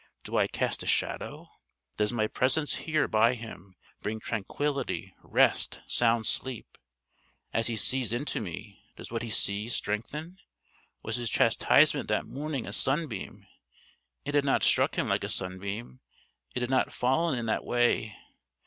Do I cast a shadow? Does my presence here by him bring tranquillity, rest, sound sleep? As he sees into me, does what he sees strengthen? Was his chastisement that morning a sunbeam? It had not struck him like a sunbeam; it had not fallen in that way!